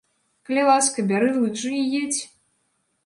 Калі ласка, бяры лыжы і едзь.